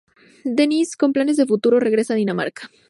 Dennis, con planes de futuro, regresa a Dinamarca.